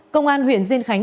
công an huyện diên khánh